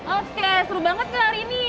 oke seru banget kali ini